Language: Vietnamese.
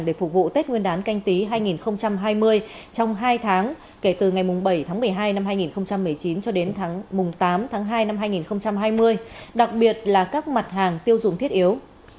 để phục vụ tết nguyên đán canh tí hai nghìn hai mươi trong hai tháng kể từ ngày bảy tháng một mươi hai năm hai nghìn một mươi chín cho đến tám tháng hai năm hai nghìn hai mươi đặc biệt là các mặt hàng tiêu dùng thiết yếu